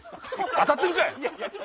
当たってるかい！